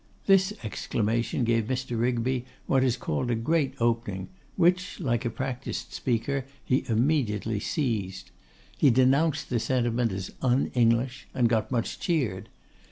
This exclamation gave Mr. Rigby what is called a great opening, which, like a practised speaker, he immediately seized. He denounced the sentiment as 'un English,' and got much cheered.